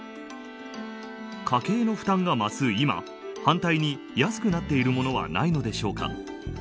家計の負担が増す今反対に、安くなっているものはないでしょうか。